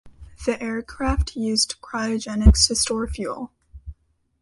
The aircraft used cryogenics to store fuel.